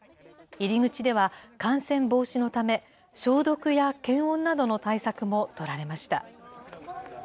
入り口では、感染防止のため、消毒や検温などの対策も取られました。